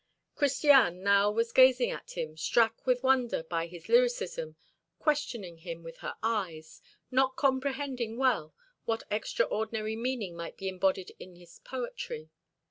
Christiane now was gazing at him, struck with wonder by his lyricism, questioning him with her eyes, not comprehending well what extraordinary meaning might be embodied in this poetry.